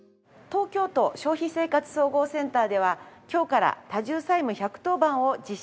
東京都消費生活総合センターでは今日から「多重債務１１０番」を実施しています。